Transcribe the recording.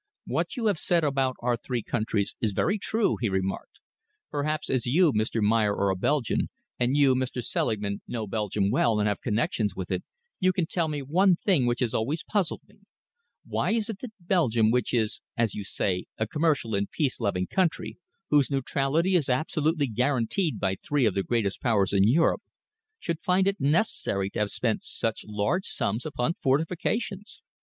"What you have said about our three countries is very true," he remarked. "Perhaps as you, Mr. Meyer, are a Belgian, and you, Mr. Selingman, know Belgium well and have connections with it, you can tell me one thing which has always puzzled me. Why is it that Belgium, which is, as you say, a commercial and peace loving country, whose neutrality is absolutely guaranteed by three of the greatest Powers in Europe, should find it necessary to have spent such large sums upon fortifications?"